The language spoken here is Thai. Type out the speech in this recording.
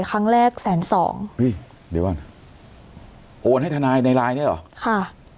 ครั้งแรกแสนสองอุ้ยเดี๋ยวก่อนโอนให้ทนายในไลน์เนี่ยเหรอค่ะ